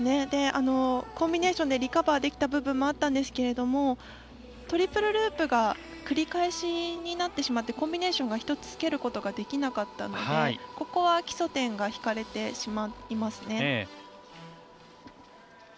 コンビネーションでリカバーできた部分はあったんですけれどもトリプルループが繰り返しになってしまってコンビネーションが１つつけることができなかったのでここは基礎点が引かれてしまいますね。